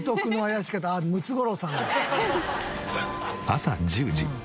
朝１０時。